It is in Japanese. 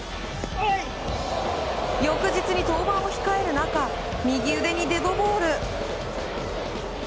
翌日に登板を控える中右腕にデッドボール。